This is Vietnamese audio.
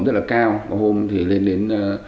rất là cao có hôm thì lên đến